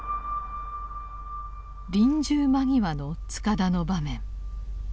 臨終間際の塚田の場面。